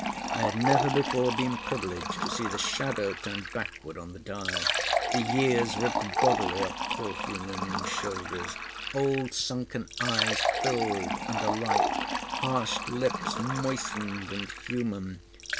I had never before been privileged to see the Shadow turned backward on the dial—the years ripped bodily off poor human shoulders—old sunken eyes filled and alight—harsh lips moistened and human.